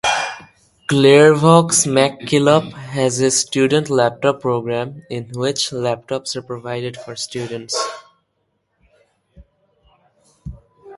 Clairvaux MacKillop has a student laptop program, in which laptops are provided for students.